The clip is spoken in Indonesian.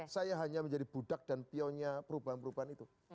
saya hanya menjadi budak dan pionya perubahan perubahan itu